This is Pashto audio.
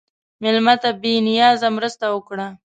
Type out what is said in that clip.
مېلمه ته بې نیازه مرسته وکړه.